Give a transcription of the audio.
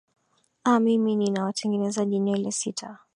aah mimi nina watengenezaji nywele sita